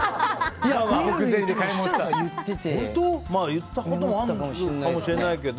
言ったこともあるかもしれないけど。